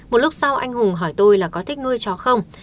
một lúc sau anh hùng hỏi tôi là có thích nuôi chó không